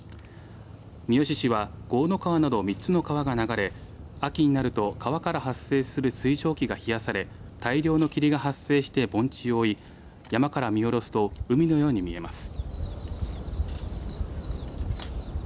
三次市は江の川など３つの川が流れ秋になると川から発生する水蒸気が冷やされ大量の霧が発生して盆地を覆い山から見下ろすと海のように見えます。